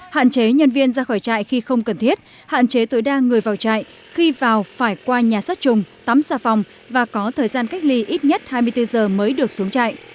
hạn chế nhân viên ra khỏi trại khi không cần thiết hạn chế tối đa người vào trại khi vào phải qua nhà sát trùng tắm xà phòng và có thời gian cách ly ít nhất hai mươi bốn giờ mới được xuống trại